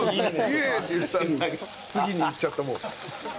「イエーイ！」って言ってたら次にいっちゃったもう。